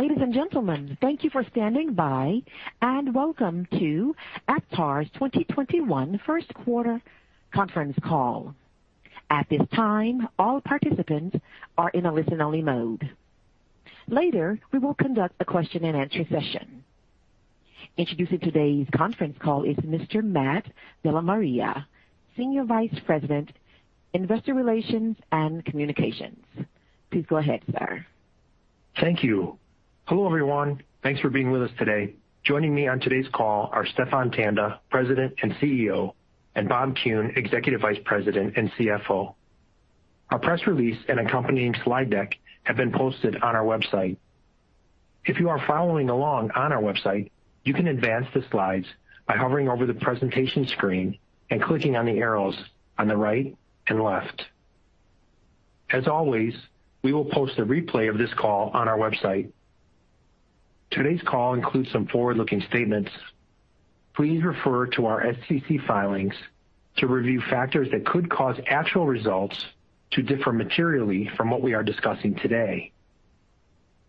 Ladies and gentlemen, thank you for standing by, and welcome to Aptar's 2021 First Quarter Conference Call. At this time, all participants are in a listen-only mode. Later, we will conduct a question-and-answer session. Introducing today's conference call is Mr. Matt DellaMaria, Senior Vice President, Investor Relations and Communications. Please go ahead, sir. Thank you. Hello, everyone. Thanks for being with us today. Joining me on today's call are Stephan Tanda, President and CEO, Bob Kuhn, Executive Vice President and CFO. Our press release and accompanying slide deck have been posted on our website. If you are following along on our website, you can advance the slides by hovering over the presentation screen and clicking on the arrows on the right and left. As always, we will post a replay of this call on our website. Today's call includes some forward-looking statements. Please refer to our SEC filings to review factors that could cause actual results to differ materially from what we are discussing today.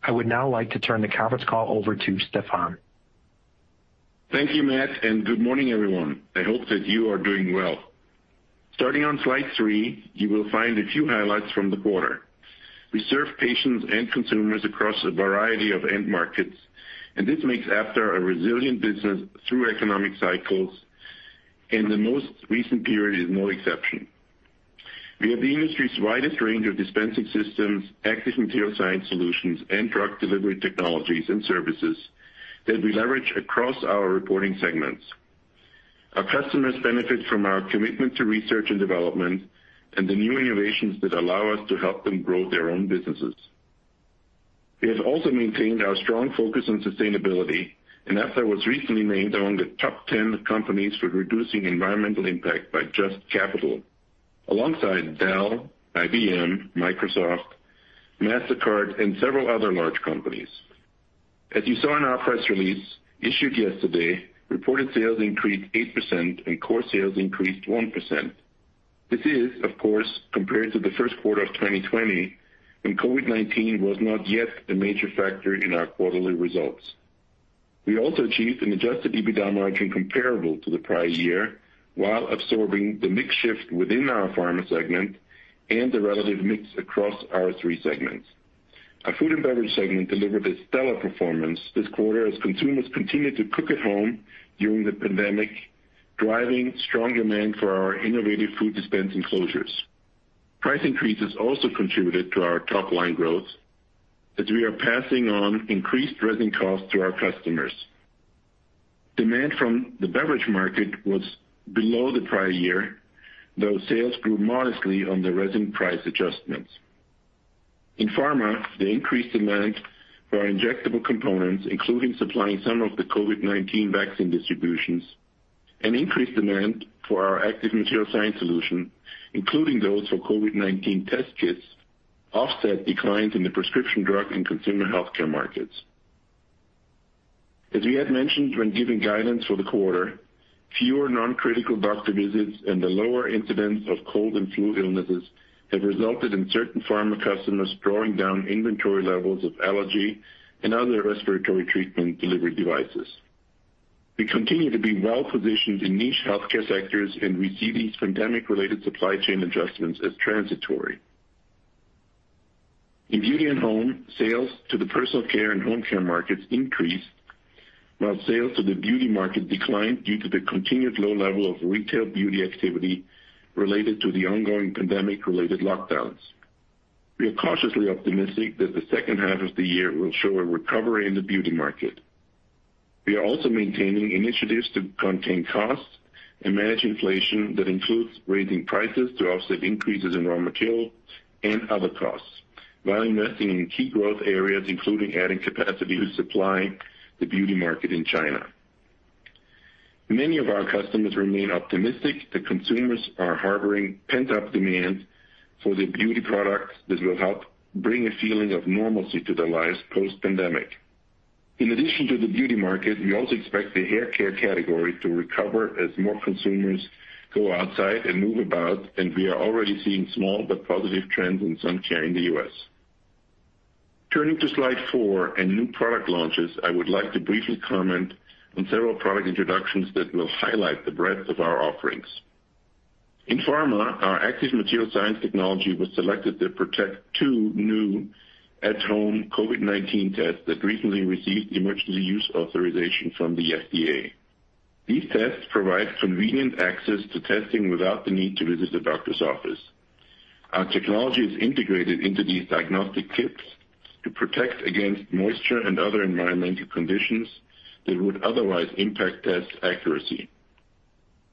I would now like to turn the conference call over to Stephan. Thank you, Matt, and good morning, everyone. I hope that you are doing well. Starting on slide three, you will find a few highlights from the quarter. We serve patients and consumers across a variety of end markets, and this makes Aptar a resilient business through economic cycles, and the most recent period is no exception. We have the industry's widest range of dispensing systems, Active material science solutions, and drug delivery technologies and services that we leverage across our reporting segments. Our customers benefit from our commitment to research and development and the new innovations that allow us to help them grow their own businesses. We have also maintained our strong focus on sustainability, and Aptar was recently named among the top 10 companies for reducing environmental impact by Just Capital, alongside Dell, IBM, Microsoft, Mastercard, and several other large companies. As you saw in our press release issued yesterday, reported sales increased 8% and core sales increased 1%. This is, of course, compared to the first quarter of 2020, when COVID-19 was not yet a major factor in our quarterly results. We also achieved an adjusted EBITDA margin comparable to the prior year while absorbing the mix shift within our pharma segment and the relative mix across our three segments. Our food and beverage segment delivered a stellar performance this quarter as consumers continued to cook at home during the pandemic, driving strong demand for our innovative food dispensing closures. Price increases also contributed to our top-line growth as we are passing on increased resin costs to our customers. Demand from the beverage market was below the prior year, though sales grew modestly on the resin price adjustments. In pharma, the increased demand for our injectable components, including supplying some of the COVID-19 vaccine distributions, and increased demand for our Active Material Science solution, including those for COVID-19 test kits, offset declines in the prescription drug and consumer healthcare markets. As we had mentioned when giving guidance for the quarter, fewer non-critical doctor visits and the lower incidence of cold and flu illnesses have resulted in certain pharma customers drawing down inventory levels of allergy and other respiratory treatment delivery devices. We continue to be well-positioned in niche healthcare sectors and we see these pandemic-related supply chain adjustments as transitory. In Beauty and Home, sales to the personal care and home care markets increased, while sales to the beauty market declined due to the continued low level of retail beauty activity related to the ongoing pandemic-related lockdowns. We are cautiously optimistic that the second half of the year will show a recovery in the beauty market. We are also maintaining initiatives to contain costs and manage inflation that includes raising prices to offset increases in raw material and other costs while investing in key growth areas, including adding capacity to supply the beauty market in China. Many of our customers remain optimistic that consumers are harboring pent-up demand for the beauty products that will help bring a feeling of normalcy to their lives post-pandemic. In addition to the beauty market, we also expect the haircare category to recover as more consumers go outside and move about, and we are already seeing small but positive trends in sun care in the U.S. Turning to slide four and new product launches, I would like to briefly comment on several product introductions that will highlight the breadth of our offerings. In pharma, our Active Material Science technology was selected to protect two new at-home COVID-19 tests that recently received emergency use authorization from the FDA. These tests provide convenient access to testing without the need to visit a doctor's office. Our technology is integrated into these diagnostic kits to protect against moisture and other environmental conditions that would otherwise impact test accuracy.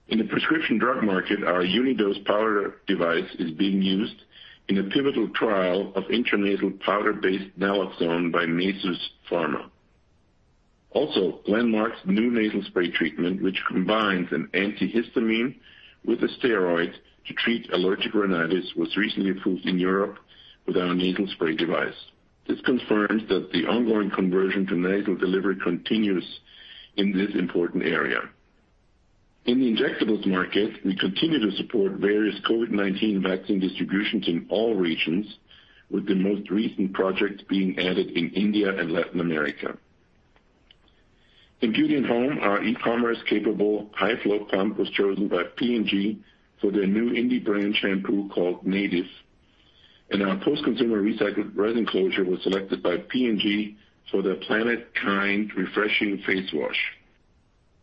In the prescription drug market, our UDS powder device is being used in a pivotal trial of intranasal powder-based naloxone by Nasus Pharma. Glenmark's new nasal spray treatment, which combines an antihistamine with a steroid to treat allergic rhinitis, was recently approved in Europe with our nasal spray device. This confirms that the ongoing conversion to nasal delivery continues in this important area. In the injectables market, we continue to support various COVID-19 vaccine distributions in all regions, with the most recent projects being added in India and Latin America. In beauty and home, our e-commerce capable high-flow pump was chosen by P&G for their new indie brand shampoo called Native. Our post-consumer recycled resin closure was selected by P&G for their Planet KIND Refreshing Face Wash.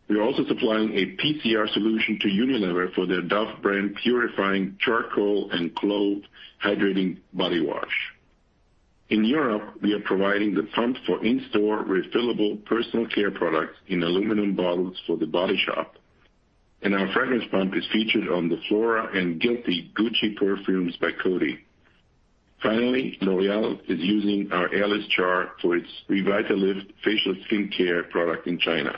We are also supplying a PCR solution to Unilever for their Dove brand purifying charcoal and clove hydrating body wash. In Europe, we are providing the pumps for in-store refillable personal care products in aluminum bottles for The Body Shop. Our fragrance pump is featured on the Flora and Guilty Gucci perfumes by Coty. Finally, L'Oréal is using our airless jar for its Revitalift facial skincare product in China.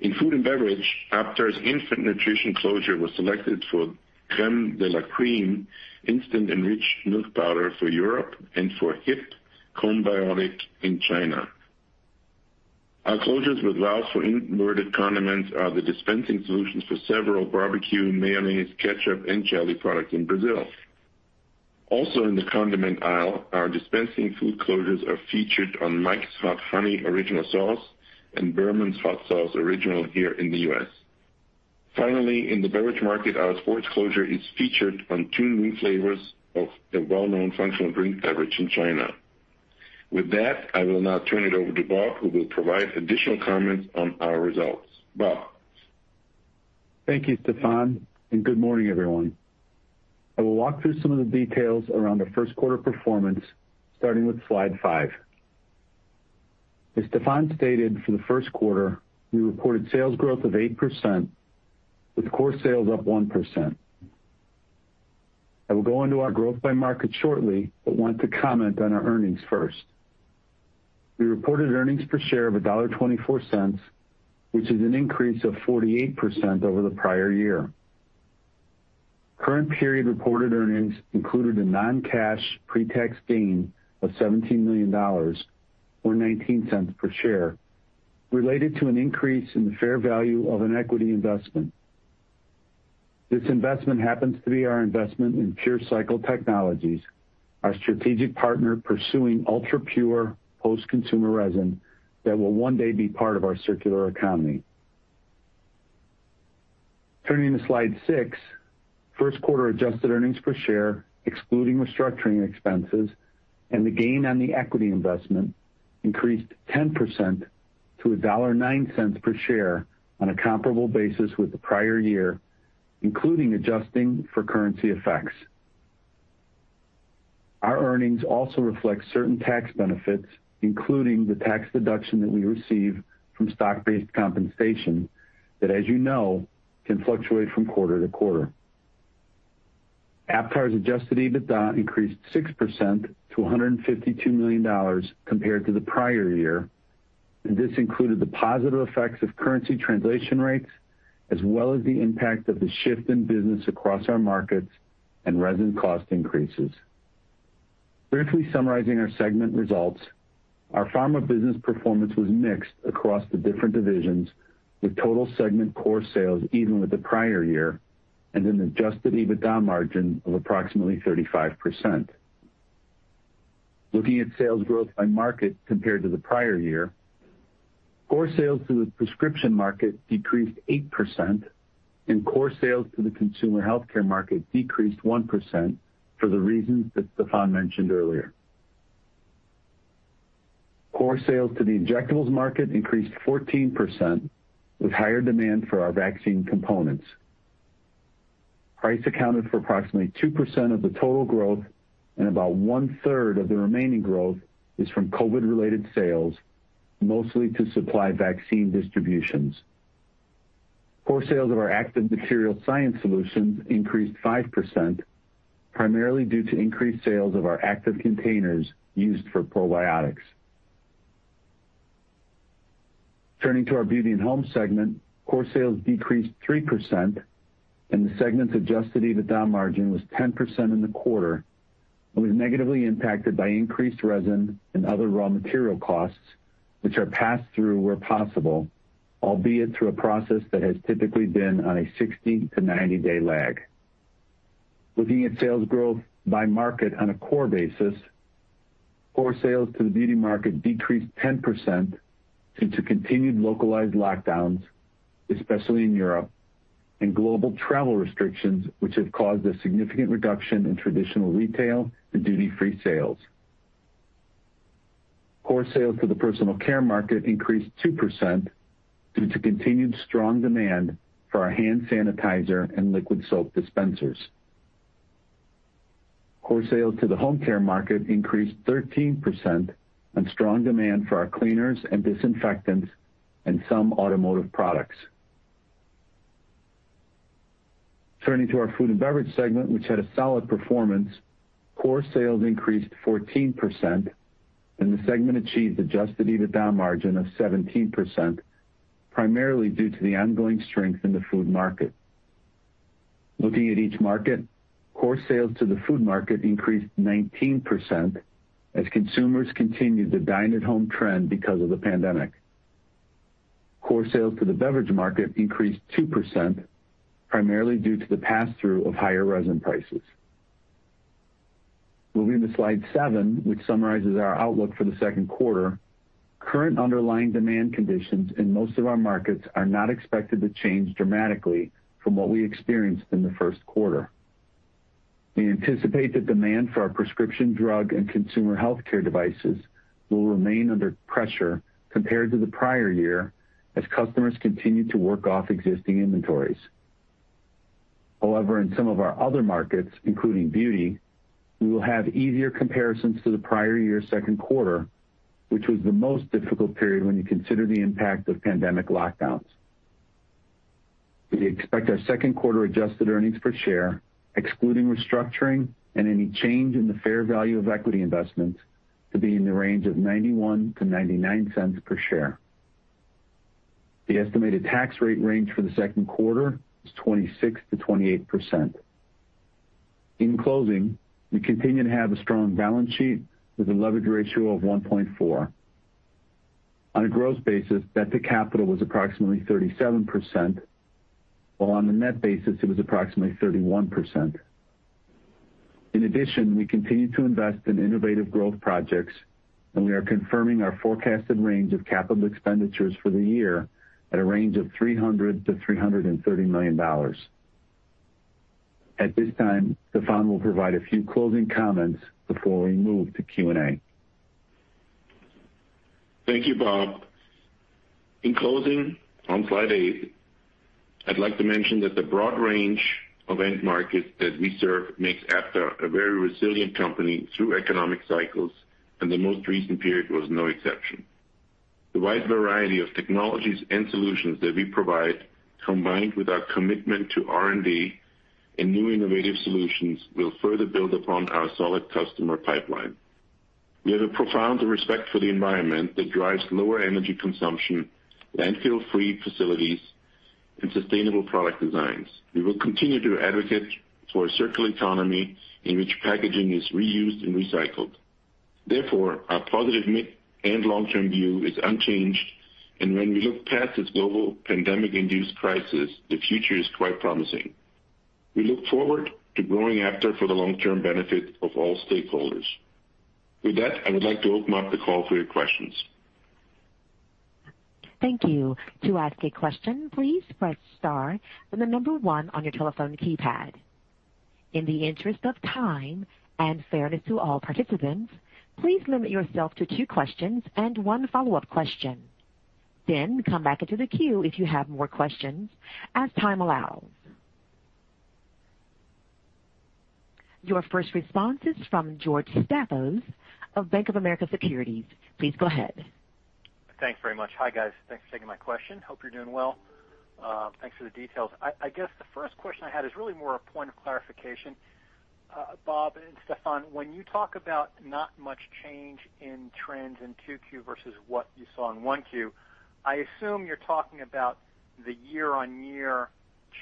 In food and beverage, Aptar's infant nutrition closure was selected for Crème de la Cream instant enriched milk powder for Europe and for HiPP Combiotic in China. Our closures with valves for inverted condiments are the dispensing solutions for several barbecue, mayonnaise, ketchup, and jelly products in Brazil. Also in the condiment aisle, our dispensing food closures are featured on Mike's Hot Honey Original Sauce and Burman's Original Hot Sauce here in the U.S.. Finally, in the beverage market, our sports closure is featured on two new flavors of a well-known functional drink beverage in China. With that, I will now turn it over to Bob, who will provide additional comments on our results. Bob? Thank you, Stephan, good morning, everyone. I will walk through some of the details around the first quarter performance, starting with slide five. As Stephan stated, for the first quarter, we reported sales growth of 8% with core sales up 1%. I will go into our growth by market shortly, want to comment on our earnings first. We reported earnings per share of $1.24, which is an increase of 48% over the prior year. Current period reported earnings included a non-cash pre-tax gain of $17 million, or $0.19 per share, related to an increase in the fair value of an equity investment. This investment happens to be our investment in PureCycle Technologies, our strategic partner pursuing ultra-pure post-consumer resin that will one day be part of our circular economy. Turning to slide six, first quarter adjusted earnings per share, excluding restructuring expenses and the gain on the equity investment, increased 10% to $1.09 per share on a comparable basis with the prior year, including adjusting for currency effects. Our earnings also reflect certain tax benefits, including the tax deduction that we receive from stock-based compensation that, as you know, can fluctuate from quarter to quarter. Aptar's adjusted EBITDA increased 6% to $152 million compared to the prior year. This included the positive effects of currency translation rates, as well as the impact of the shift in business across our markets and resin cost increases. Briefly summarizing our segment results, our Pharma business performance was mixed across the different divisions, with total segment core sales even with the prior year and an adjusted EBITDA margin of approximately 35%. Looking at sales growth by market compared to the prior year, core sales to the prescription market decreased 8%, and core sales to the consumer healthcare market decreased 1% for the reasons that Stephan mentioned earlier. Core sales to the injectables market increased 14%, with higher demand for our vaccine components. Price accounted for approximately 2% of the total growth and about 1/3 of the remaining growth is from COVID-related sales, mostly to supply vaccine distributions. Core sales of our Active Material Science solutions increased 5%, primarily due to increased sales of our active containers used for probiotics. Turning to our Beauty and Home segment, core sales decreased 3% and the segment's adjusted EBITDA margin was 10% in the quarter and was negatively impacted by increased resin and other raw material costs, which are passed through where possible, albeit through a process that has typically been on a 60- to 90-day lag. Looking at sales growth by market on a core basis, core sales to the beauty market decreased 10% due to continued localized lockdowns, especially in Europe and global travel restrictions, which have caused a significant reduction in traditional retail and duty-free sales. Core sales to the personal care market increased 2% due to continued strong demand for our hand sanitizer and liquid soap dispensers. Core sales to the home care market increased 13% on strong demand for our cleaners and disinfectants and some automotive products. Turning to our food and beverage segment, which had a solid performance, core sales increased 14% and the segment achieved adjusted EBITDA margin of 17%, primarily due to the ongoing strength in the food market. Looking at each market, core sales to the food market increased 19% as consumers continued the dine-at-home trend because of the pandemic. Core sales to the beverage market increased 2%, primarily due to the pass-through of higher resin prices. Moving to slide seven, which summarizes our outlook for the second quarter, current underlying demand conditions in most of our markets are not expected to change dramatically from what we experienced in the first quarter. We anticipate that demand for our prescription drug and consumer healthcare devices will remain under pressure compared to the prior year as customers continue to work off existing inventories. However, in some of our other markets, including beauty, we will have easier comparisons to the prior year's second quarter, which was the most difficult period when you consider the impact of pandemic lockdowns. We expect our second quarter adjusted earnings per share, excluding restructuring and any change in the fair value of equity investments, to be in the range of $0.91-$0.99 per share. The estimated tax rate range for the second quarter is 26%-28%. In closing, we continue to have a strong balance sheet with a leverage ratio of 1.4. On a gross basis, debt to capital was approximately 37%, while on the net basis, it was approximately 31%. In addition, we continue to invest in innovative growth projects, and we are confirming our forecasted range of capital expenditures for the year at a range of $300 million-$330 million. At this time, Stephan Tanda will provide a few closing comments before we move to Q&A. Thank you, Bob. In closing, on slide eight, I'd like to mention that the broad range of end markets that we serve makes Aptar a very resilient company through economic cycles, and the most recent period was no exception. The wide variety of technologies and solutions that we provide, combined with our commitment to R&D and new innovative solutions, will further build upon our solid customer pipeline. We have a profound respect for the environment that drives lower energy consumption, landfill-free facilities, and sustainable product designs. We will continue to advocate for a circular economy in which packaging is reused and recycled. Our positive mid- and long-term view is unchanged, and when we look past this global pandemic-induced crisis, the future is quite promising. We look forward to growing Aptar for the long-term benefit of all stakeholders. With that, I would like to open up the call for your questions. Thank you. To ask a question, please press star and the number one on your telephone keypad. In the interest of time and fairness to all participants, please limit yourself to two questions and one follow-up question. Come back into the queue if you have more questions as time allows. Your first response is from George Staphos of Bank of America Securities. Please go ahead. Thanks very much. Hi, guys. Thanks for taking my question. Hope you're doing well. Thanks for the details. I guess the first question I had is really more a point of clarification. Bob and Stephan, when you talk about not much change in trends in Q2 versus what you saw in 1Q, I assume you're talking about the year-on-year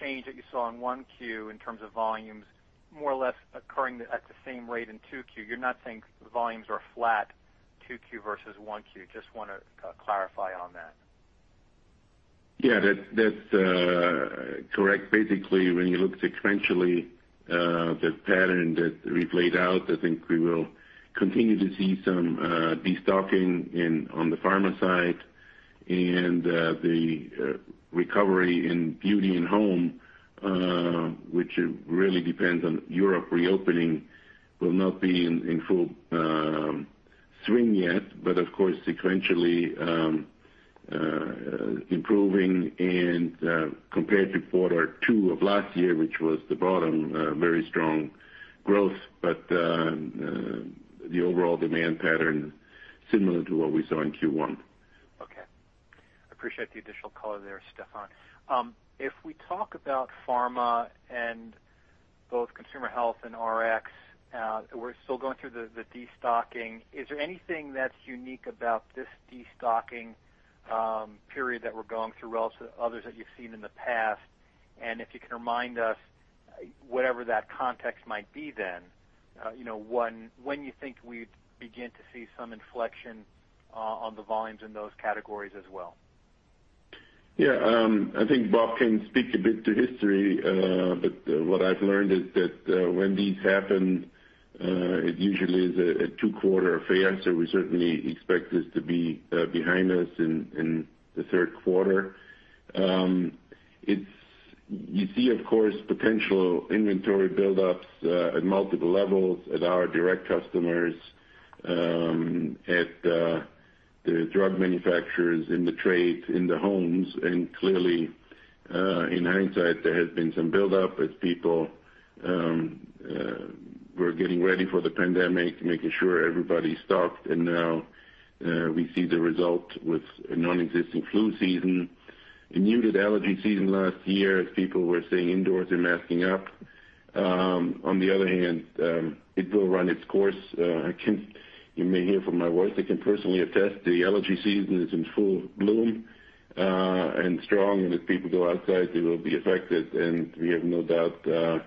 change that you saw in 1Q in terms of volumes more or less occurring at the same rate in 2Q. You're not saying the volumes are flat 2Q versus 1Q. Just want to clarify on that. Yeah, that's correct. Basically, when you look sequentially, the pattern that we've laid out, I think we will continue to see some destocking on the pharma side and the recovery in beauty and home, which really depends on Europe reopening, will not be in full swing yet. Of course, sequentially improving and compared to quarter two of last year, which was the bottom, very strong growth. The overall demand pattern, similar to what we saw in Q1. Okay. I appreciate the additional color there, Stephan. If we talk about pharma and both consumer health and Rx, we're still going through the destocking. Is there anything that's unique about this destocking period that we're going through relative to others that you've seen in the past? If you can remind us, whatever that context might be then, when you think we'd begin to see some inflection on the volumes in those categories as well? Yeah. I think Bob can speak a bit to history, but what I've learned is that when these happen, it usually is a two-quarter affair. We certainly expect this to be behind us in the third quarter. You see, of course, potential inventory buildups at multiple levels at our direct customers, at the drug manufacturers, in the trades, in the homes. Clearly, in hindsight, there has been some buildup as people were getting ready for the pandemic, making sure everybody stocked. Now we see the result with a nonexistent flu season, a muted allergy season last year as people were staying indoors and masking up. On the other hand, it will run its course. You may hear from my voice, I can personally attest, the allergy season is in full bloom and strong, and as people go outside, they will be affected. We have no doubt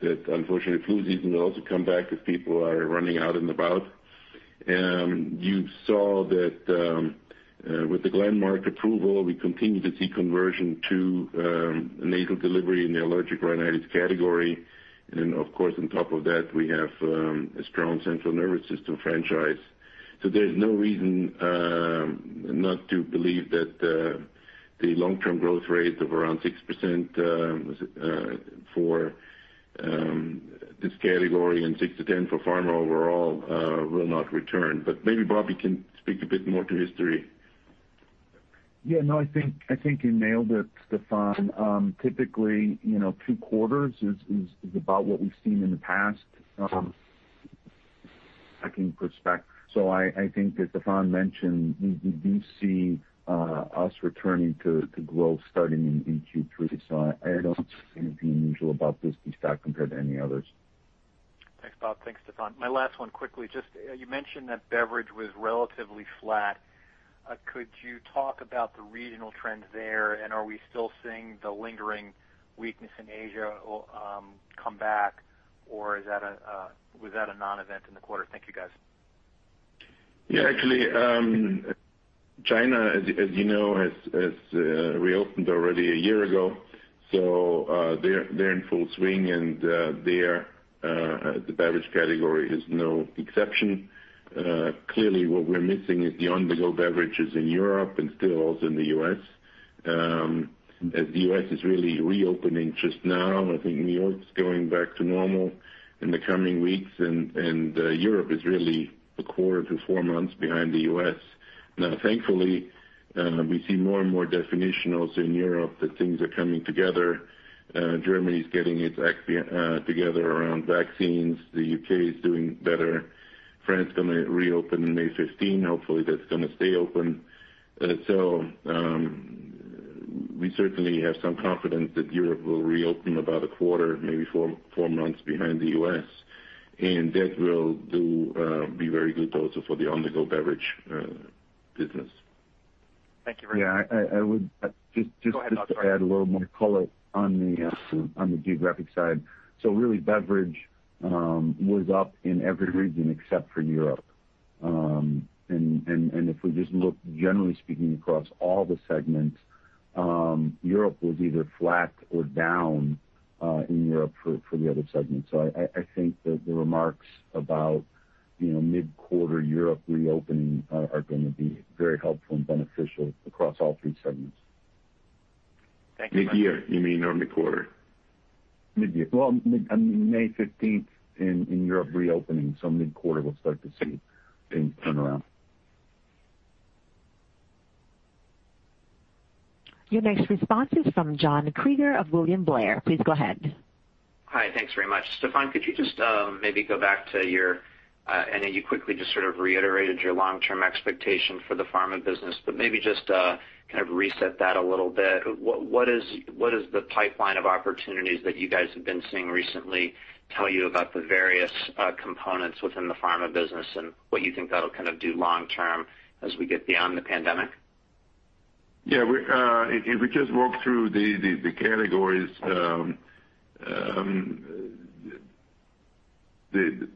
that unfortunately, flu season will also come back as people are running out and about. You saw that with the Glenmark approval. We continue to see conversion to nasal delivery in the allergic rhinitis category. Of course, on top of that, we have a strong central nervous system franchise. There's no reason not to believe that the long-term growth rate of around 6% for this category and 6%-10% for pharma overall will not return. Maybe Bob can speak a bit more to history. Yeah, no, I think you nailed it, Stephan. Typically, two quarters is about what we've seen in the past perspective. I think that Stephan mentioned, we do see us returning to growth starting in Q3. I don't see anything unusual about this stock compared to any others. Thanks, Bob. Thanks, Stephan. My last one quickly, just you mentioned that beverage was relatively flat. Could you talk about the regional trends there? Are we still seeing the lingering weakness in Asia come back, or was that a non-event in the quarter? Thank you, guys. Yeah. Actually, China, as you know, has reopened already a year ago, so they're in full swing and there the beverage category is no exception. Clearly, what we're missing is the on-the-go beverages in Europe and still also in the U.S., as the U.S. is really reopening just now, I think New York's going back to normal in the coming weeks, and Europe is really a quarter to four months behind the U.S.. Now, thankfully, we see more and more definition also in Europe that things are coming together. Germany is getting its act together around vaccines. The U.K. is doing better. France is going to reopen on May 15. Hopefully, that's going to stay open. We certainly have some confidence that Europe will reopen about a quarter, maybe four months behind the U.S., and that will be very good also for the on-the-go beverage business. Thank you very much. Yeah, I would just- Go ahead, Bob, sorry. Add a little more color on the geographic side. Really, beverage was up in every region except for Europe. If we just look, generally speaking, across all the segments, Europe was either flat or down in Europe for the other segments. I think that the remarks about mid-quarter Europe reopening are going to be very helpful and beneficial across all three segments. Thank you. Mid-year you mean, or mid-quarter? Mid-year. Well, on May 15th in Europe reopening, so mid-quarter, we'll start to see things turn around. Your next response is from John Kreger of William Blair. Please go ahead. Hi. Thanks very much. Stephan, could you just maybe go back to your I know you quickly just sort of reiterated your long-term expectation for the pharma business. Maybe just kind of reset that a little bit. What is the pipeline of opportunities that you guys have been seeing recently tell you about the various components within the pharma business and what you think that'll kind of do long term as we get beyond the pandemic? Yeah. If we just walk through the categories, the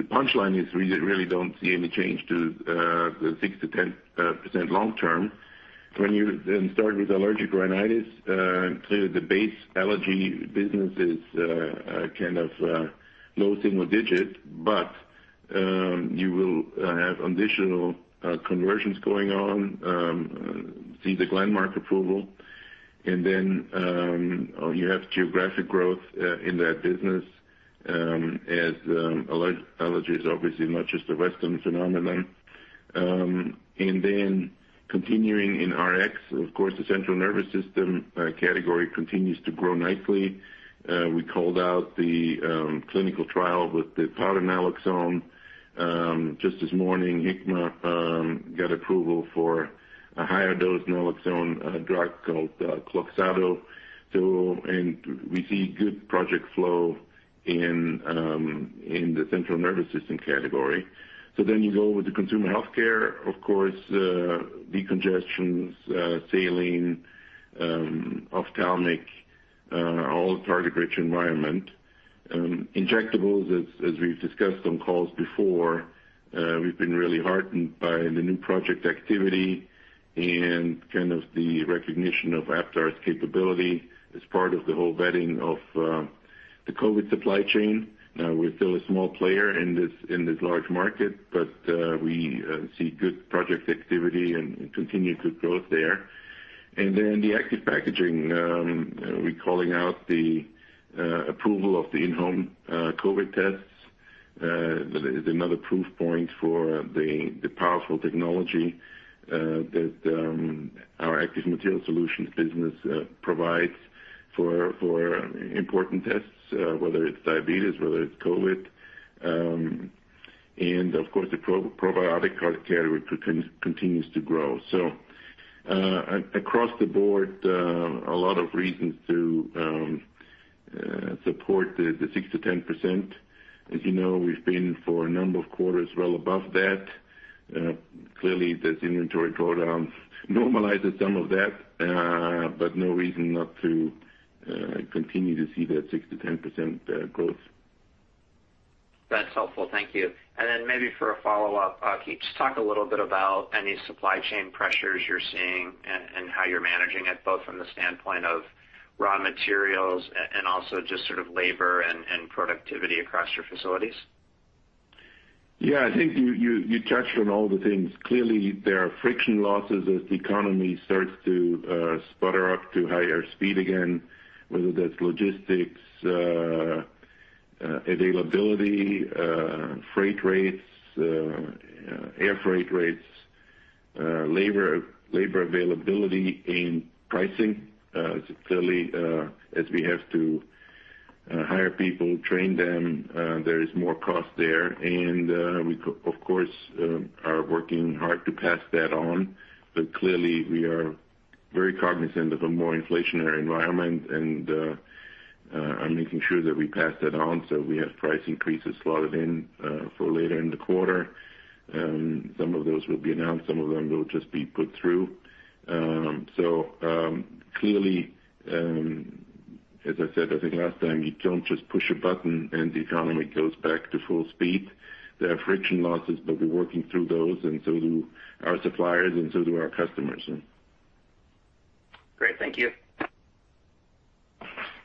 punchline is we really don't see any change to the 6%-10% long term. You then start with allergic rhinitis, clearly the base allergy business is kind of low single digit, but you will have additional conversions going on. See the Glenmark approval. You have geographic growth in that business as allergy is obviously not just a Western phenomenon. Continuing in Rx, of course, the central nervous system category continues to grow nicely. We called out the clinical trial with the [powder] naloxone. Just this morning, Hikma got approval for a higher dose naloxone drug called KLOXXADO. We see good project flow in the central nervous system category. You go with the consumer healthcare, of course, decongestants, saline, ophthalmic, all target-rich environment. Injectables, as we've discussed on calls before, we've been really heartened by the new project activity and kind of the recognition of Aptar's capability as part of the whole vetting of the COVID supply chain. We're still a small player in this large market, but we see good project activity and continued good growth there. The active packaging, we're calling out the approval of the in-home COVID tests. That is another proof point for the powerful technology that our Active Materials Solutions business provides for important tests whether it's diabetes, whether it's COVID. Of course, the probiotic healthcare continues to grow. Across the board, a lot of reasons to support the 6%-10%. As you know, we've been for a number of quarters, well above that. Clearly, this inventory drawdown normalizes some of that, but no reason not to continue to see that 6%-10% growth. That's helpful. Thank you. Then maybe for a follow-up, can you just talk a little bit about any supply chain pressures you're seeing and how you're managing it, both from the standpoint of raw materials and also just sort of labor and productivity across your facilities? Yeah, I think you touched on all the things. Clearly, there are friction losses as the economy starts to sputter up to higher speed again, whether that's logistics availability, freight rates, air freight rates, labor availability in pricing. Clearly, as we have to hire people, train them, there is more cost there. We, of course, are working hard to pass that on. Clearly, we are very cognizant of a more inflationary environment, and I'm making sure that we pass that on. We have price increases slotted in for later in the quarter. Some of those will be announced, some of them will just be put through. Clearly, as I said, I think last time, you don't just push a button and the economy goes back to full speed. There are friction losses, but we're working through those, and so do our suppliers, and so do our customers. Great. Thank you.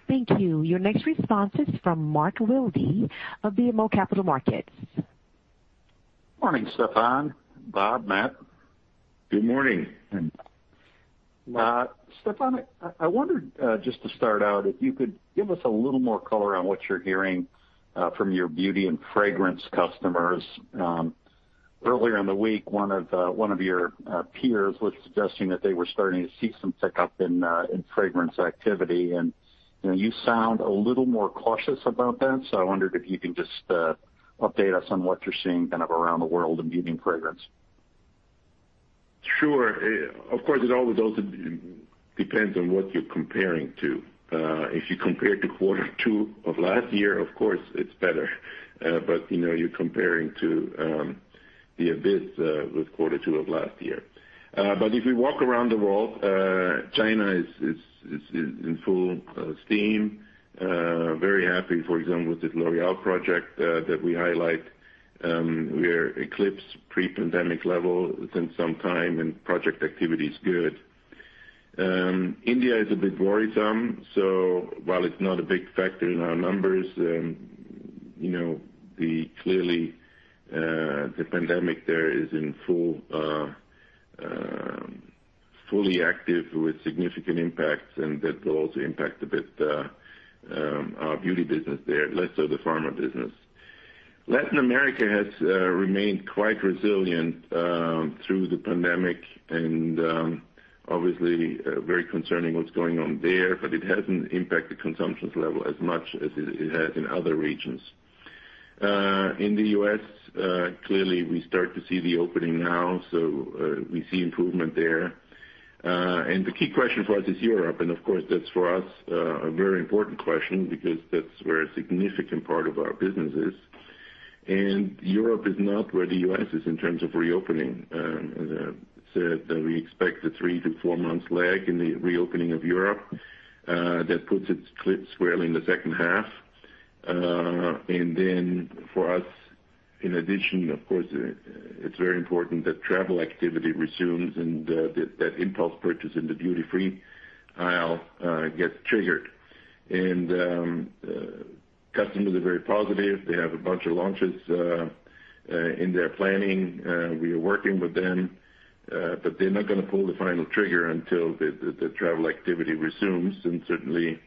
Thank you. Your next response is from Mark Wilde of BMO Capital Markets. Morning, Stephan, Bob, Matt. Good morning. Stephan, I wondered, just to start out, if you could give us a little more color on what you're hearing from your beauty and fragrance customers. Earlier in the week, one of your peers was suggesting that they were starting to see some pickup in fragrance activity, and you sound a little more cautious about that. I wondered if you can just update us on what you're seeing kind of around the world in beauty and fragrance. Sure. Of course, it always also depends on what you're comparing to. If you compare to quarter two of last year, of course it's better. you're comparing to the abyss with quarter two of last year. If we walk around the world, China is in full steam. Very happy, for example, with this L'Oréal project that we highlight, where eclipsed pre-pandemic level within some time and project activity is good. India is a bit worrisome. while it's not a big factor in our numbers, clearly, the pandemic there is fully active with significant impacts, and that will also impact a bit our beauty business there, less so the pharma business. Latin America has remained quite resilient through the pandemic and obviously very concerning what's going on there, but it hasn't impacted consumptions level as much as it has in other regions. In the U.S., clearly, we start to see the opening now, so we see improvement there. The key question for us is Europe, and of course, that's for us a very important question because that's where a significant part of our business is. Europe is not where the U.S. is in terms of reopening. As I said, we expect a three to four months lag in the reopening of Europe. That puts it squarely in the second half. For us, in addition, of course, it's very important that travel activity resumes and that impulse purchase in the duty-free aisle gets triggered. Customers are very positive. They have a bunch of launches in their planning. We are working with them. They're not going to pull the final trigger until the travel activity resumes. Certainly,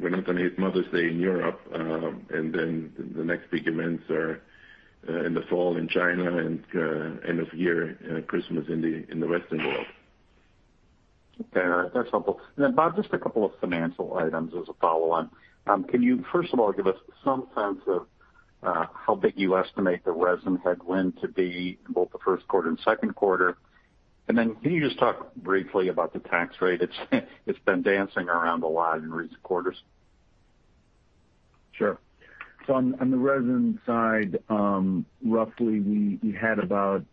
we're not going to hit Mother's Day in Europe. The next big events are in the fall in China and end of year, Christmas in the Western world. Okay, that's helpful. Bob, just a couple of financial items as a follow-on. Can you first of all, give us some sense of how big you estimate the resin headwind to be in both the first quarter and second quarter? Can you just talk briefly about the tax rate? It's been dancing around a lot in recent quarters. Sure. On the resin side, roughly we had about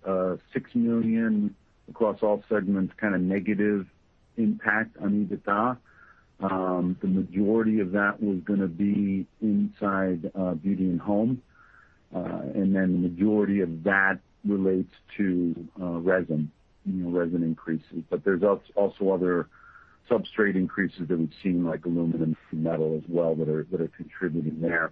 six million across all segments, kind of negative impact on EBITDA. The majority of that was going to be inside beauty and home. The majority of that relates to resin increases. There's also other substrate increases that would seem like aluminum and metal as well that are contributing there.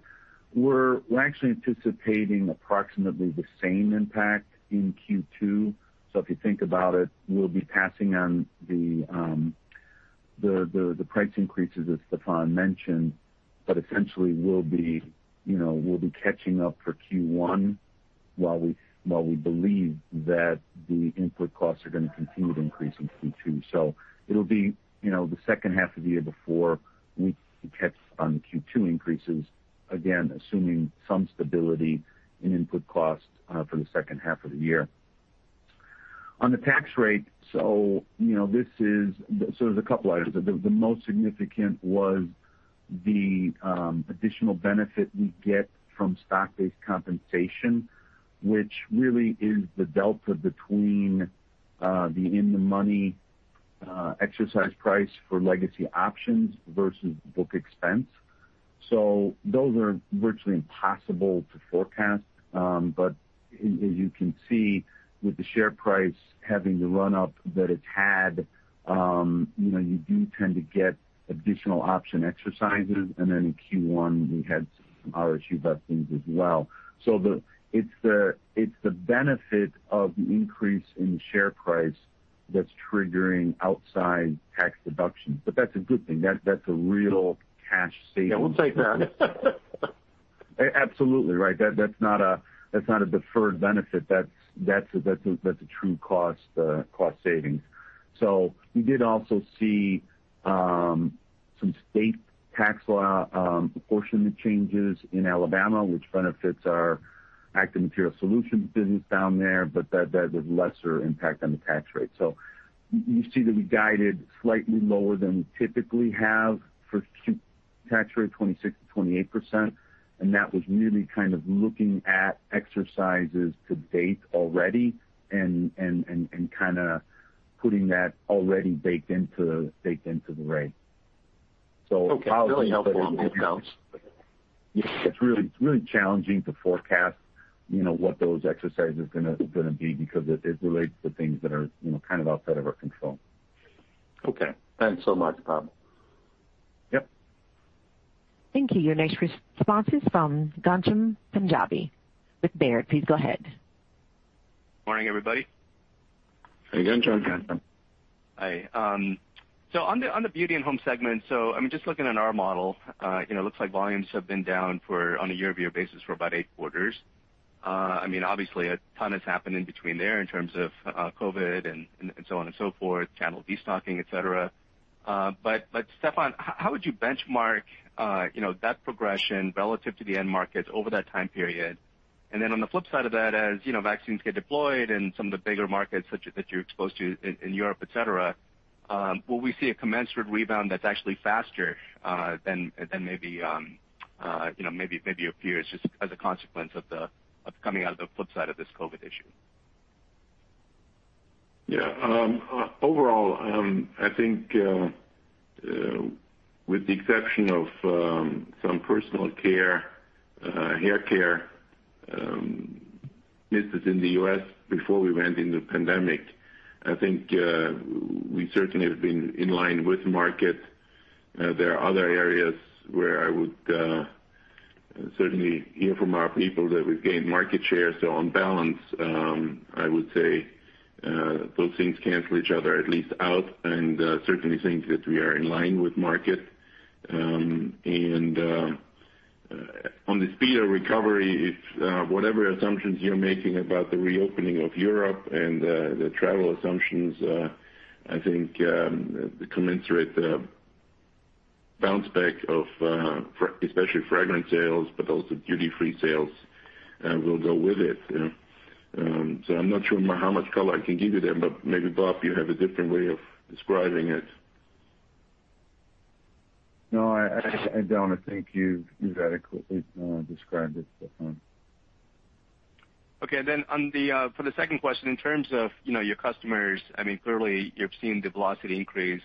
We're actually anticipating approximately the same impact in Q2. If you think about it, we'll be passing on the price increases that Stephan mentioned, but essentially, we'll be catching up for Q1. While we believe that the input costs are going to continue to increase in Q2. It'll be the second half of the year before we can catch on the Q2 increases, again, assuming some stability in input costs for the second half of the year. On the tax rate, so there's a couple items. The most significant was the additional benefit we get from stock-based compensation, which really is the delta between the in-the-money exercise price for legacy options versus book expense. Those are virtually impossible to forecast. As you can see with the share price having the run-up that it's had, you do tend to get additional option exercises. In Q1, we had some RSU vestings as well. It's the benefit of the increase in share price that's triggering outside tax deductions. That's a good thing. That's a real cash saving. Yeah, we'll take that. Absolutely. Right. That's not a deferred benefit. That's a true cost savings. We did also see some state tax law apportionment changes in Alabama, which benefits our active material solutions business down there, but that was lesser impact on the tax rate. You see that we guided slightly lower than we typically have for tax rate of 26% to 28%, and that was merely kind of looking at exercises to date already and kind of putting that already baked into the rate. Okay. Really helpful on the details. Yeah. It's really challenging to forecast what those exercises are going to be because it relates to things that are kind of outside of our control. Okay. Thanks so much, Bob. Yep. Thank you. Your next response is from Ghansham Panjabi with Baird. Please go ahead. Morning, everybody. Hey, Ghansham. Ghansham. Hi. On the beauty and home segment, so I'm just looking at our model. It looks like volumes have been down on a year-over-year basis for about eight quarters. Obviously, a ton has happened in between there in terms of COVID and so on and so forth, channel destocking, et cetera. Stephan, how would you benchmark that progression relative to the end markets over that time period? On the flip side of that, as vaccines get deployed in some of the bigger markets such that you're exposed to in Europe, et cetera, will we see a commensurate rebound that's actually faster than maybe appears just as a consequence of coming out of the flip side of this COVID issue? Yeah. Overall, I think with the exception of some personal care, hair care misses in the U.S. before we went into the pandemic, I think we certainly have been in line with market. There are other areas where I would certainly hear from our people that we've gained market share. On balance, I would say those things cancel each other at least out and certainly think that we are in line with market. On the speed of recovery, it's whatever assumptions you're making about the reopening of Europe and the travel assumptions, I think the commensurate bounce back of especially fragrant sales, but also duty-free sales will go with it. I'm not sure how much color I can give you there, but maybe Bob, you have a different way of describing it. No, I don't. I think you've adequately described it, Stephan. Okay, for the second question, in terms of your customers, clearly you're seeing the velocity increase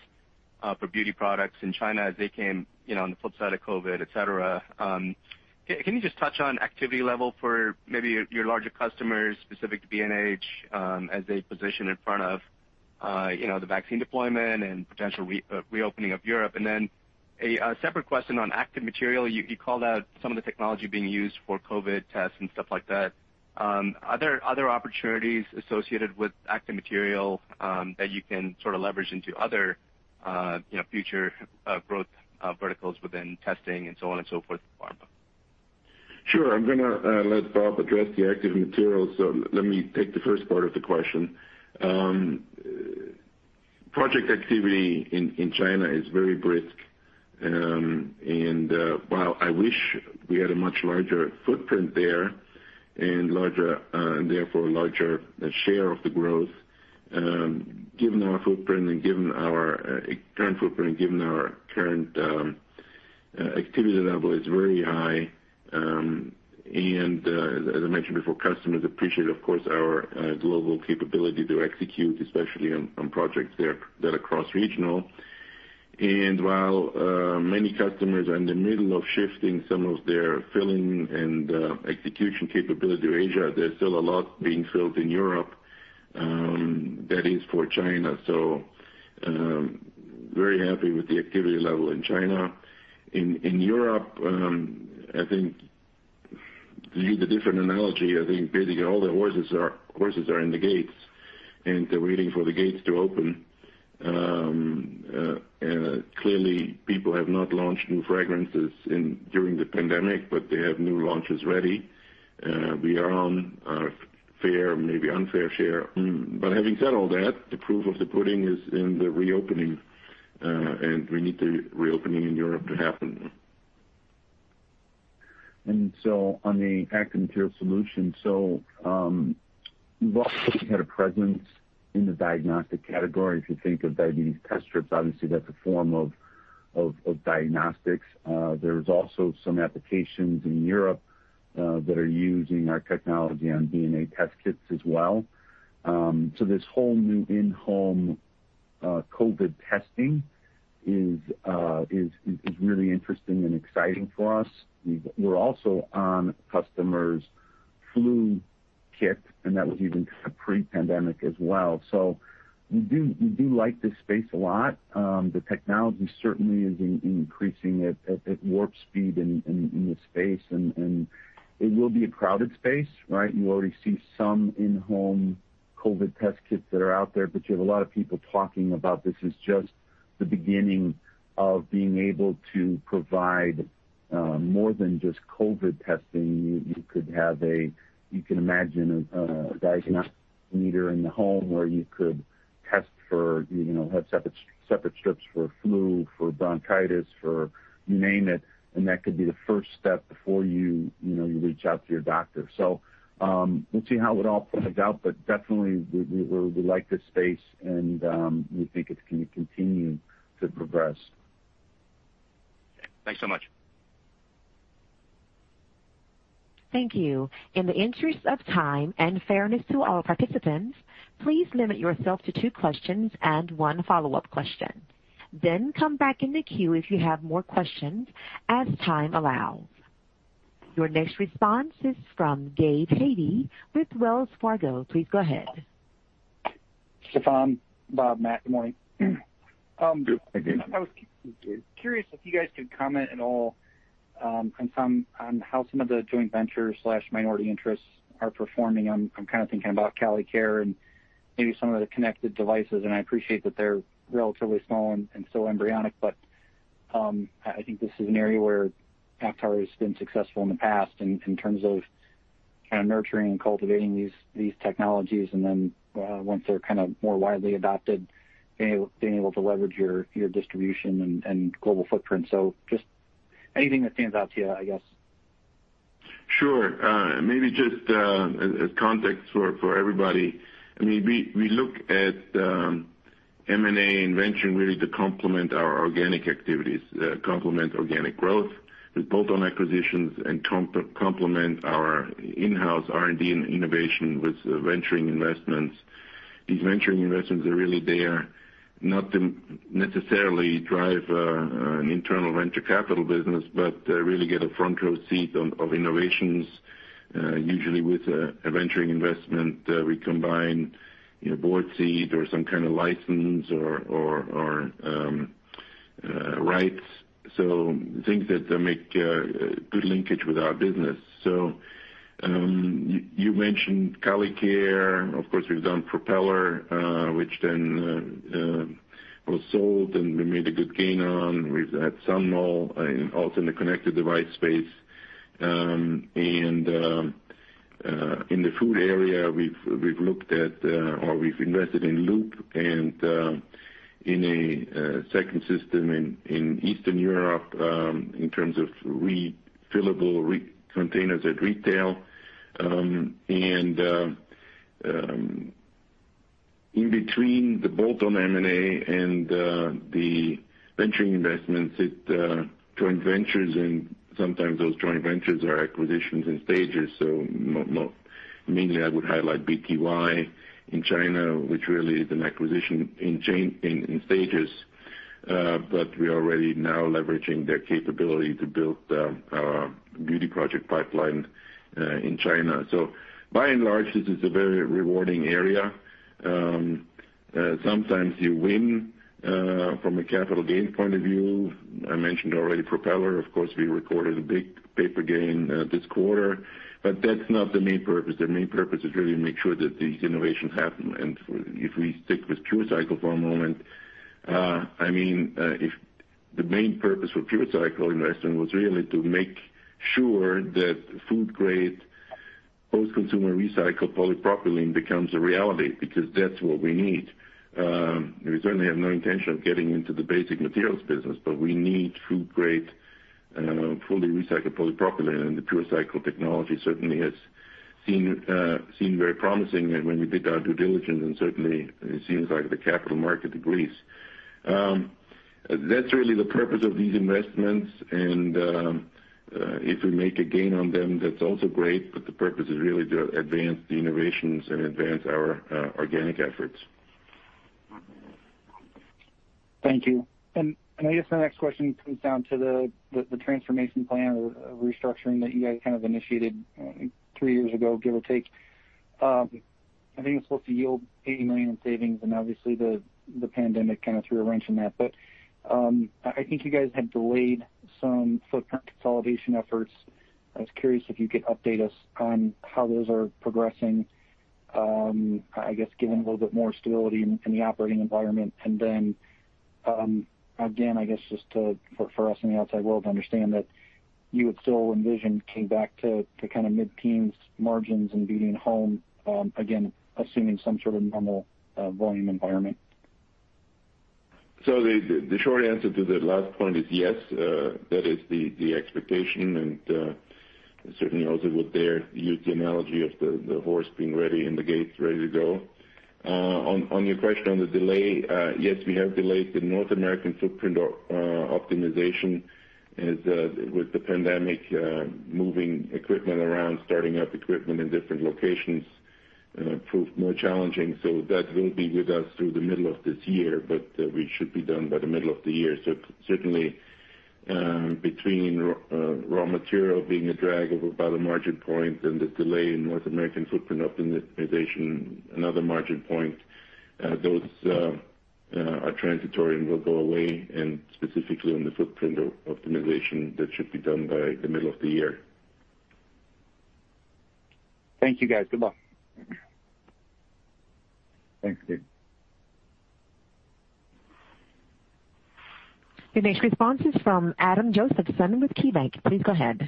for beauty products in China as they came on the flip side of COVID, et cetera. Can you just touch on activity level for maybe your larger customers specific to B&H as they position in front of the vaccine deployment and potential reopening of Europe? A separate question on Active Material. You called out some of the technology being used for COVID tests and stuff like that. Are there other opportunities associated with active material that you can sort of leverage into other future growth verticals within testing and so on and so forth for pharma? Sure. I'm going to let Bob address the Active Materials. Let me take the first part of the question. Project activity in China is very brisk. While I wish we had a much larger footprint there and therefore larger share of the growth, given our current footprint and given our current activity level is very high. As I mentioned before, customers appreciate, of course, our global capability to execute, especially on projects that are cross-regional. While many customers are in the middle of shifting some of their filling and execution capability to Asia, there's still a lot being filled in Europe that is for China. Very happy with the activity level in China. In Europe, I think you need a different analogy. I think basically all the horses are in the gates, and they're waiting for the gates to open. clearly, people have not launched new fragrances during the pandemic, but they have new launches ready. having said all that, the proof of the pudding is in the reopening, and we need the reopening in Europe to happen. On the Active Material Solution. we've also had a presence in the diagnostic category. If you think of diabetes test strips, obviously, that's a form of diagnostics. There's also some applications in Europe that are using our technology on DNA test kits as well. this whole new in-home COVID testing is really interesting and exciting for us. We're also on customers' flu kit, and that was even pre-pandemic as well. we do like this space a lot. The technology certainly is increasing at warp speed in this space, and it will be a crowded space, right? You already see some in-home COVID test kits that are out there, but you have a lot of people talking about this as just the beginning of being able to provide more than just COVID testing. You can imagine a diagnostic meter in the home where you could have separate strips for flu, for bronchitis, for you name it, and that could be the first step before you reach out to your doctor. We'll see how it all plays out. Definitely, we like this space, and we think it's going to continue to progress. Thanks so much. Thank you. In the interest of time and fairness to all participants, please limit yourself to two questions and one follow-up question then come back in the queue if you have more questions, as time allows. Your next response is from Gabe Hajde with Wells Fargo. Please go ahead. Stephan, Bob, Matt, good morning. Good morning. I was curious if you guys could comment at all on how some of the joint ventures/minority interests are performing. I'm kind of thinking about Kali Care and maybe some of the connected devices, and I appreciate that they're relatively small and still embryonic, but I think this is an area where Aptar has been successful in the past in terms of nurturing and cultivating these technologies. once they're more widely adopted, being able to leverage your distribution and global footprint. Just anything that stands out to you, I guess. Sure. Maybe just as context for everybody, we look at M&A and venturing really to complement our organic activities, complement organic growth with bolt-on acquisitions and complement our in-house R&D and innovation with venturing investments. These venturing investments are really there not to necessarily drive an internal venture capital business, but really get a front-row seat of innovations. Usually with a venturing investment, we combine board seat or some kind of license or rights. Things that make good linkage with our business. You mentioned Kali Care. Of course, we've done Propeller, which then was sold, and we made a good gain on. We've had Sonmol also in the connected device space. In the food area, we've looked at, or we've invested in Loop and in a second system in Eastern Europe in terms of refillable containers at retail. In between the bolt-on M&A and the venturing investments, joint ventures and sometimes those joint ventures are acquisitions in stages. Mainly I would highlight BTY in China, which really is an acquisition in stages. We are already now leveraging their capability to build our beauty project pipeline in China. By and large, this is a very rewarding area. Sometimes you win from a capital gain point of view. I mentioned already Propeller. Of course, we recorded a big paper gain this quarter, but that's not the main purpose. The main purpose is really to make sure that these innovations happen. If we stick with PureCycle for a moment, the main purpose for PureCycle investment was really to make sure that food-grade, post-consumer recycled polypropylene becomes a reality, because that's what we need. We certainly have no intention of getting into the basic materials business, but we need food-grade, fully recycled polypropylene, and the PureCycle technology certainly has seemed very promising when we did our due diligence, and certainly it seems like the capital market agrees. That's really the purpose of these investments, and if we make a gain on them, that's also great, but the purpose is really to advance the innovations and advance our organic efforts. Thank you. I guess my next question comes down to the transformation plan or restructuring that you guys kind of initiated three years ago, give or take. I think it was supposed to yield $80 million in savings, and obviously the pandemic kind of threw a wrench in that. I think you guys had delayed some footprint consolidation efforts. I was curious if you could update us on how those are progressing, I guess, given a little bit more stability in the operating environment. Then, again, I guess just for us in the outside world to understand that you would still envision came back to mid-teens margins and Beauty & Home, again, assuming some sort of normal volume environment. The short answer to that last point is yes, that is the expectation. Certainly also with there, use the analogy of the horse being ready and the gates ready to go. On your question on the delay, yes, we have delayed the North American footprint optimization. With the pandemic, moving equipment around, starting up equipment in different locations proved more challenging. That will be with us through the middle of this year, but we should be done by the middle of the year. Certainly, between raw material being a drag of about a margin point and the delay in North American footprint optimization, another margin point, those are transitory and will go away, and specifically on the footprint optimization, that should be done by the middle of the year. Thank you, guys. Good luck. Thanks, Gabe. The next response is from Adam Josephson, KeyBanc. Please go ahead.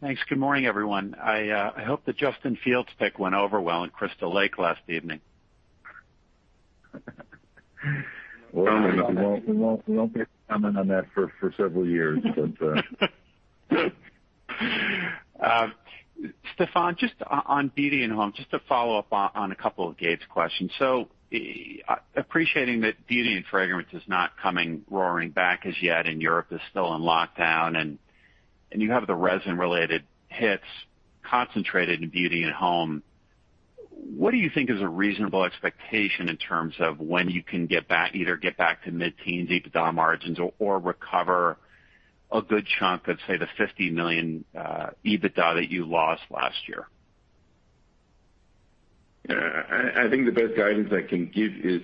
Thanks. Good morning, everyone. I hope the Justin Fields pick went over well in Crystal Lake last evening. We won't be commenting on that for several years, but uh. Stephan, just on Beauty & Home, just to follow up on a couple of Gabe's questions. Appreciating that Beauty and Fragrance is not coming roaring back as yet and Europe is still on lockdown, and you have the resin-related hits concentrated in Beauty & Home. What do you think is a reasonable expectation in terms of when you can either get back to mid-teens EBITDA margins or recover a good chunk of, say, the $50 million EBITDA that you lost last year? I think the best guidance I can give is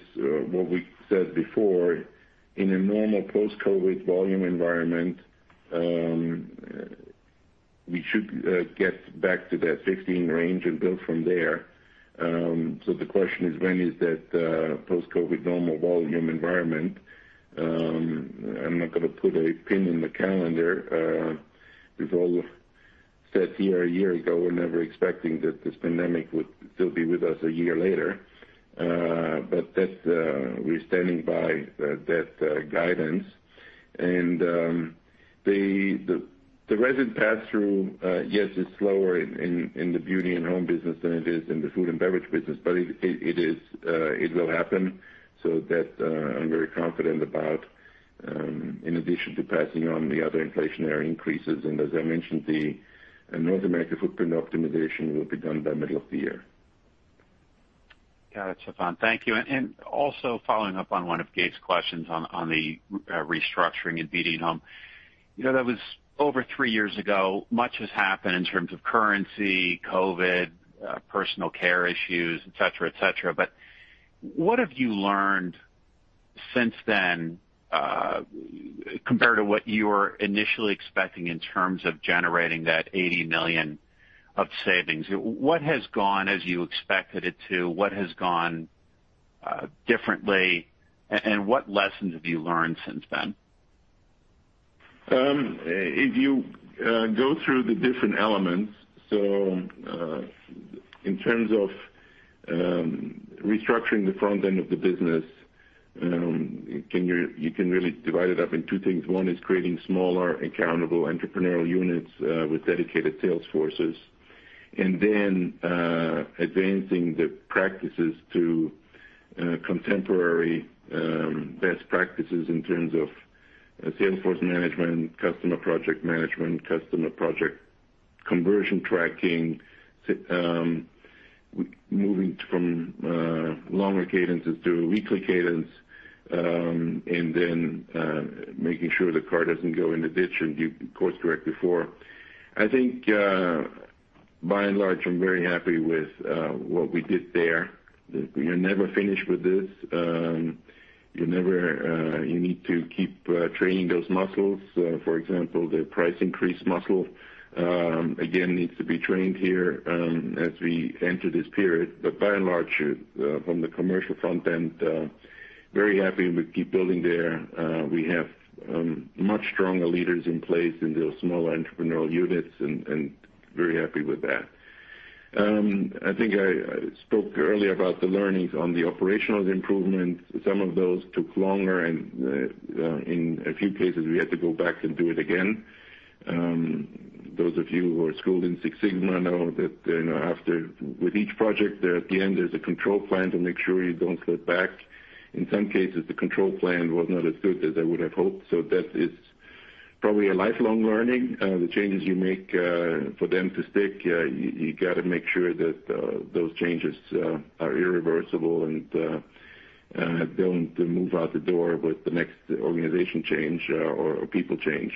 what we said before. In a normal post-COVID volume environment, we should get back to that 15 range and build from there. The question is when is that post-COVID normal volume environment? I'm not going to put a pin in the calendar. We've all sat here a year ago, were never expecting that this pandemic would still be with us a year later. We're standing by that guidance. The resin pass-through, yes, it's slower in the Beauty & Home business than it is in the food and beverage business, but it will happen. That I'm very confident about, in addition to passing on the other inflationary increases, and as I mentioned, the North American footprint optimization will be done by middle of the year. Got it, Stephan. Thank you. also following up on one of Gabe's questions on the restructuring in Beauty & Home. That was over three years ago. Much has happened in terms of currency, COVID, personal care issues, et cetera. what have you learned since then, compared to what you were initially expecting in terms of generating that $80 million of savings? What has gone as you expected it to, what has gone differently, and what lessons have you learned since then? If you go through the different elements, so in terms of restructuring the front end of the business, you can really divide it up in two things. One is creating smaller, accountable entrepreneurial units with dedicated sales forces. advancing the practices to contemporary best practices in terms of sales force management, customer project management, customer project conversion tracking, moving from longer cadences to a weekly cadence, and then making sure the car doesn't go in the ditch and you course-correct before. I think by and large, I'm very happy with what we did there. You're never finished with this. You need to keep training those muscles. For example, the price increase muscle, again, needs to be trained here as we enter this period but by larger, from the commercial front end very happy and we keep building there. We have much stronger leaders in place in those small entrepreneurial units and very happy with that. I think I spoke earlier about the learnings on the operational improvements. Some of those took longer and in a few cases, we had to go back and do it again. Those of you who are schooled in Six Sigma know that with each project there at the end, there's a control plan to make sure you don't slip back. In some cases, the control plan was not as good as I would have hoped. That is probably a lifelong learning. The changes you make for them to stick, you got to make sure that those changes are irreversible and don't move out the door with the next organization change or people change.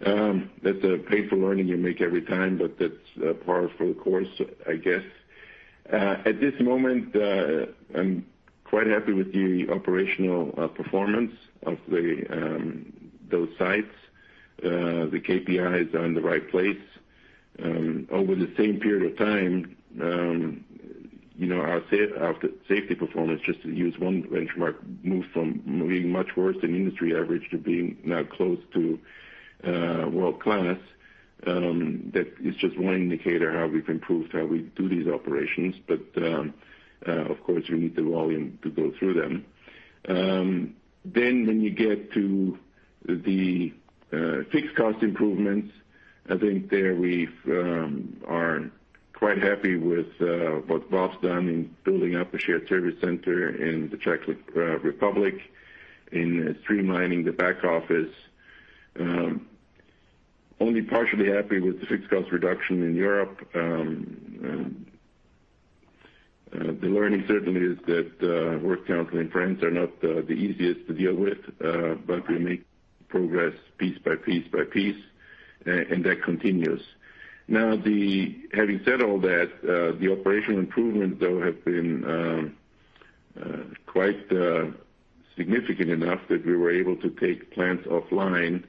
That's a painful learning you make every time, but that's par for the course, I guess. At this moment, I'm quite happy with the operational performance of those sites. The KPI is in the right place. Over the same period of time, our safety performance, just to use one benchmark, moved from being much worse than industry average to being now close to world-class. That is just one indicator how we've improved how we do these operations. Of course, we need the volume to go through them. When you get to the fixed cost improvements, I think there we are quite happy with what Bob's done in building up a shared service center in the Czech Republic, in streamlining the back office. Only partially happy with the fixed cost reduction in Europe. The learning certainly is that work council in France are not the easiest to deal with, but we make progress piece by piece by piece, and that continues. Now, having said all that, the operational improvements, though, have been quite significant enough that we were able to take plants offline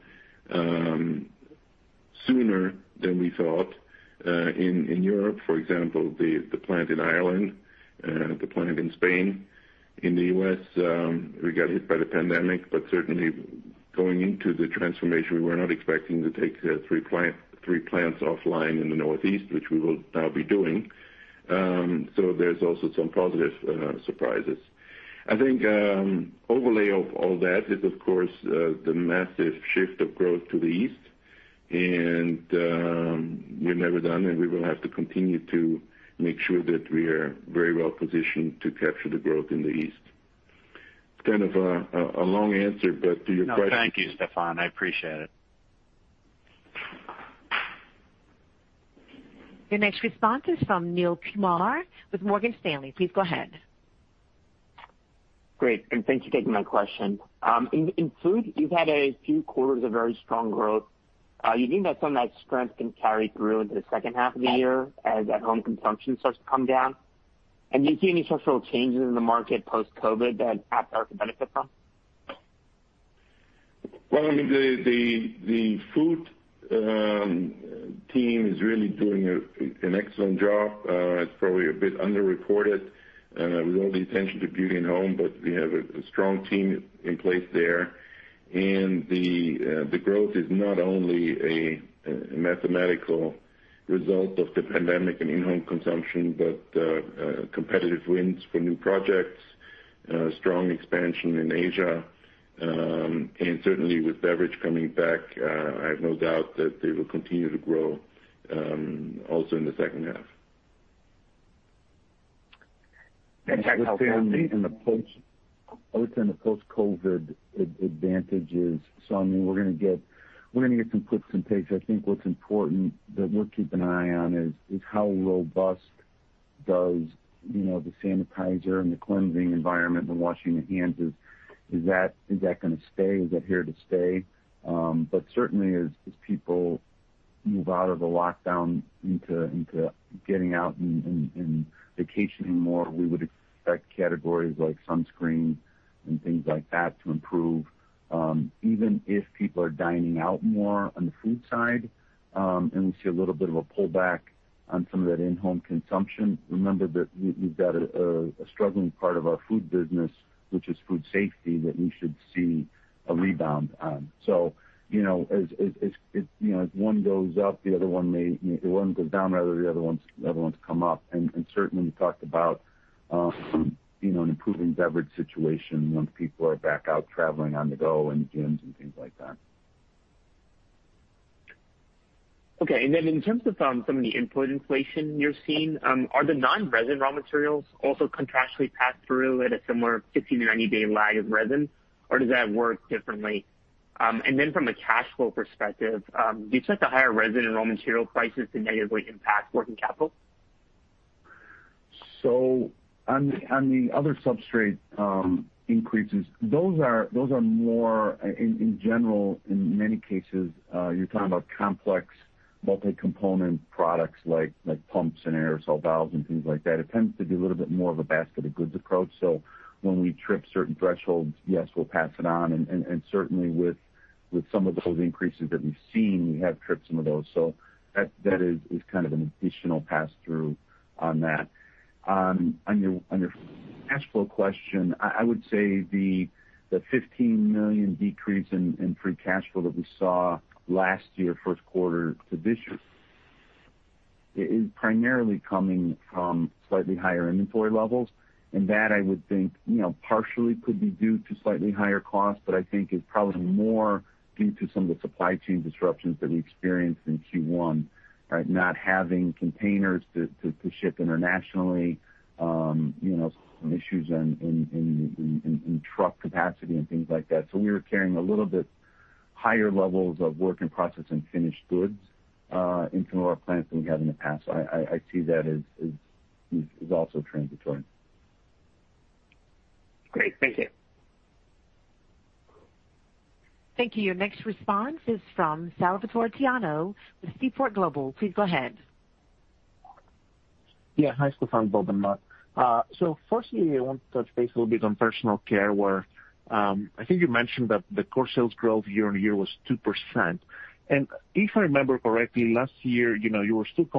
sooner than we thought. In Europe, for example, the plant in Ireland, the plant in Spain. In the U.S., we got hit by the pandemic, but certainly going into the transformation, we were not expecting to take three plants offline in the Northeast, which we will now be doing. There's also some positive surprises. I think overlay of all that is, of course, the massive shift of growth to the East, and we're never done, and we will have to continue to make sure that we are very well positioned to capture the growth in the East. It's kind of a long answer, but to your question- No, thank you, Stephan. I appreciate it. Your next response is from Neel Kumar with Morgan Stanley. Please go ahead. Great. Thanks for taking my question. In food, you've had a few quarters of very strong growth. You think that some of that strength can carry through into the second half of the year as at-home consumption starts to come down? Do you see any structural changes in the market post-COVID that Aptar can benefit from? Well, the food team is really doing an excellent job. It's probably a bit under-reported with all the attention to beauty and home, but we have a strong team in place there. The growth is not only a mathematical result of the pandemic and in-home consumption, but competitive wins for new projects, strong expansion in Asia. Certainly with beverage coming back, I have no doubt that they will continue to grow also in the second half. [inaudible] I would say on the post-COVID advantages, we're going to get some puts and takes. I think what's important that we're keeping an eye on is how robust does the sanitizer and the cleansing environment, the washing of hands, is that going to stay? Is that here to stay? But certainly as people move out of the lockdown into getting out and vacationing more, we would expect categories like sunscreen and things like that to improve, even if people are dining out more on the food side, and we see a little bit of a pullback on some of that in-home consumption. Remember that you've got a struggling part of our food business, which is food safety, that we should see a rebound on. So you know, as one goes up, the other one may, if one goes down, rather, the other one's come up. Certainly, we talked about an improving beverage situation once people are back out traveling on the go, in gyms, and things like that. Okay. In terms of some of the input inflation you're seeing, are the non-resin raw materials also contractually passed through at a similar 15- to 90-day lag of resin, or does that work differently? From a cash flow perspective, do you expect the higher resin and raw material prices to negatively impact working capital? On the other substrate increases, those are more, in general, in many cases, you're talking about complex multi-component products like pumps and aerosol valves and things like that. It tends to be a little bit more of a basket of goods approach. When we trip certain thresholds, yes, we'll pass it on, and certainly with some of those increases that we've seen, we have tripped some of those. That is kind of an additional pass-through on that. On your cash flow question, I would say the $15 million decrease in free cash flow that we saw last year, first quarter to this year is primarily coming from slightly higher inventory levels. That I would think, partially could be due to slightly higher costs, but I think is probably more due to some of the supply chain disruptions that we experienced in Q1. Not having containers to ship internationally, some issues in truck capacity and things like that. We were carrying a little bit higher levels of work in process and finished goods in some of our plants than we have in the past. I see that as also transitory. Great. Thank you. Thank you. Your next response is from Salvatore Tiano with Seaport Global. Please go ahead. Yeah. Hi, Stephan, Bob and Matt. Firstly, I want to touch base a little bit on personal care, where I think you mentioned that the core sales growth year on year was 2%. If I remember correctly, last year, you should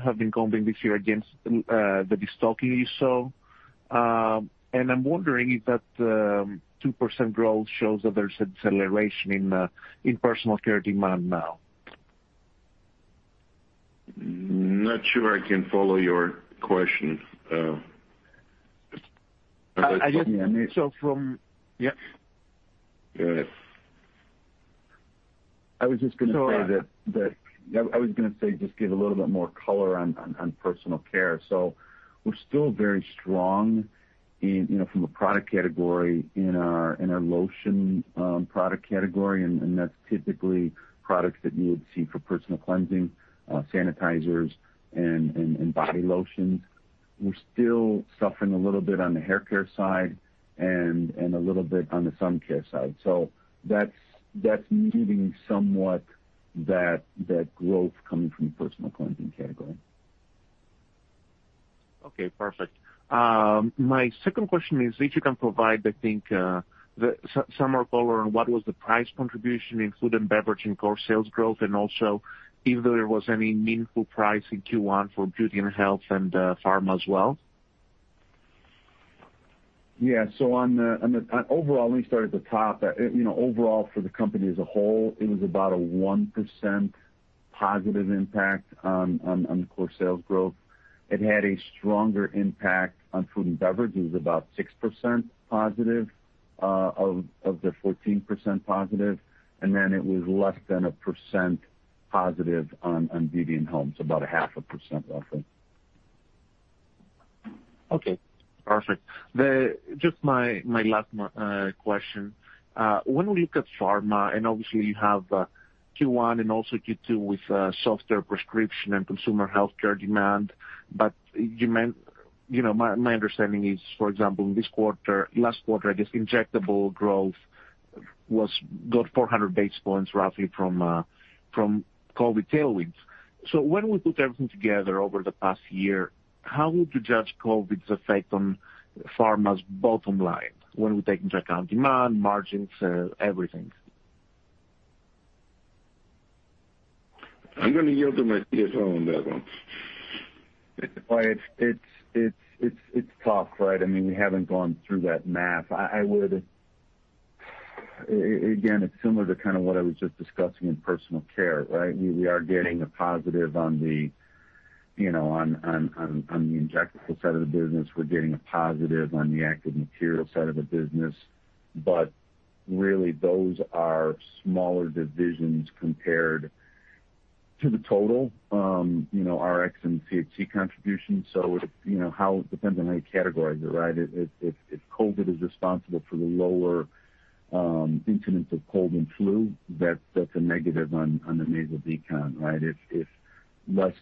have been comping this year against the destocking you saw. I'm wondering if that 2% growth shows that there's acceleration in personal care demand now. Not sure I can follow your question. From Yeah. All right. I was just going to say, just give a little bit more color on personal care. We're still very strong from a product category in our lotion product category, and that's typically products that you would see for personal cleansing, sanitizers and body lotions. We're still suffering a little bit on the haircare side and a little bit on the sun care side. That's needing somewhat that growth coming from personal cleansing category. Okay, perfect. My second question is if you can provide, I think, some more color on what was the price contribution in food and beverage and core sales growth, and also if there was any meaningful price in Q1 for beauty and health and pharma as well? Yeah. Let me start at the top. Overall, for the company as a whole, it was about a 1% positive impact on the core sales growth. It had a stronger impact on food and beverage. It was about 6% positive of the 14% positive, and then it was less than a % positive on beauty and home. about a half a %, roughly. Okay, perfect. Just my last question. When we look at pharma, and obviously you have Q1 and also Q2 with softer prescription and consumer healthcare demand. my understanding is, for example, last quarter, I guess injectable growth got 400 basis points roughly from COVID tailwinds. when we put everything together over the past year, how would you judge COVID's effect on pharma's bottom line when we take into account demand, margins, everything? I'm going to yield to my CFO on that one. It's tough, right? We haven't gone through that math. Again, it's similar to what I was just discussing in personal care, right? We are getting a positive on the injectable side of the business. We're getting a positive on the active material side of the business. Really, those are smaller divisions compared to the total Rx and PHC contribution. It depends on how you categorize it, right? If COVID is responsible for the lower incidence of cold and flu, that's a negative on the nasal decon. If less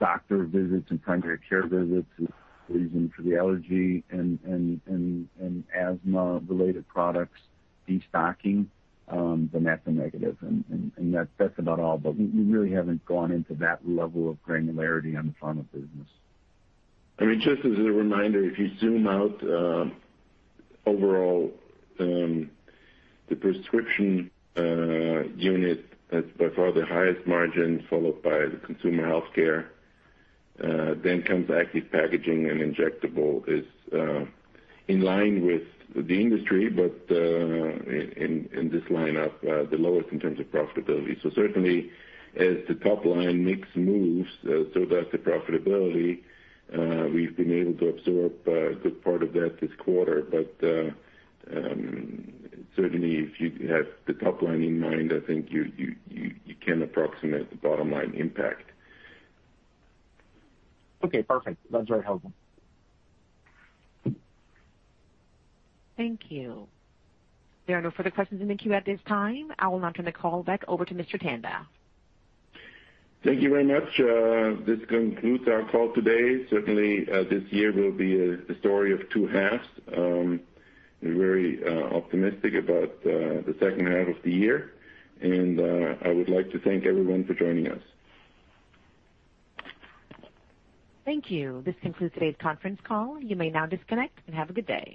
doctor visits and primary care visits is leading to the allergy and asthma-related products destocking, then that's a negative. That's about all. We really haven't gone into that level of granularity on the pharma business. Just as a reminder, if you zoom out, overall, the prescription unit has by far the highest margin, followed by the consumer healthcare. comes active packaging, and injectable is in line with the industry, but in this line up, the lowest in terms of profitability. certainly, as the top line mix moves so does the profitability. We've been able to absorb a good part of that this quarter. certainly, if you have the top line in mind, I think you can approximate the bottom-line impact. Okay, perfect. That's very helpful. Thank you. There are no further questions in the queue at this time. I will now turn the call back over to Mr. Tanda. Thank you very much. This concludes our call today. Certainly, this year will be a story of two halves. We're very optimistic about the second half of the year, and I would like to thank everyone for joining us. Thank you. This concludes today's conference call. You may now disconnect and have a good day.